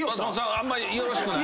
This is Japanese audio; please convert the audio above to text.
あんまりよろしくない？